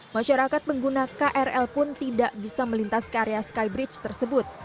masyarakat pengguna krl pun tidak bisa melintas ke area skybridge tersebut